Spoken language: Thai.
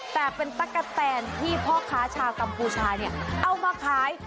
แต่เป็นตั๊กกะแตนที่พ่อค้าชาวกัมพูชาเนี่ยเอามาขาย